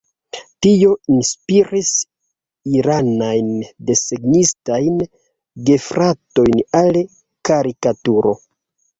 Tio inspiris iranajn desegnistajn gefratojn al karikaturo.